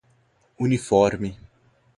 uniforme